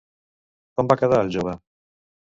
Com va quedar el jove?